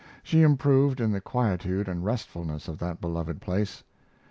She improved in the quietude and restfulness of that beloved place.